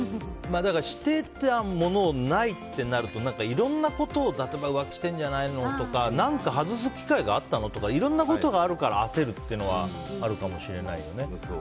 だから、してたものをないってなるといろんなことを、例えば浮気してるんじゃないのとか何か外す機会があったのとかいろんなことがあるから焦るというのはあるかもしれないよね。